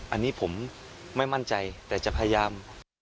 อันนี้ผมไม่มั่นใจแต่จะพยายาม